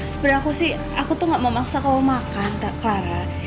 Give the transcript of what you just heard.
sebenernya aku sih aku tuh gak mau maksa kamu makan clara